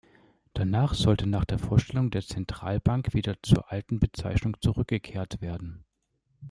Danach sollte nach der Vorstellung der Zentralbank wieder zur alten Bezeichnung zurückgekehrt werden.